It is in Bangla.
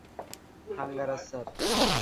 থাঙ্গারাজ, স্যার।